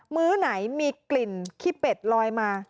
มื้อไหนมีกลิ่นขี้เป็ดลอยมา